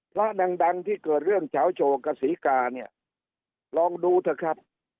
พระดังดังที่เกิดเรื่องเฉาโฉกกับศรีกาเนี่ยลองดูเถอะครับ